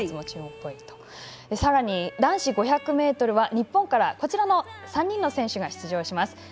さらに、男子５００ｍは日本からこちらの３人の選手が出場します。